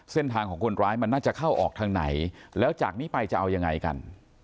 เส้นทางของคนร้ายมันน่าจะเข้าออกทางไหนแล้วจากนี้ไปจะเอายังไงกัน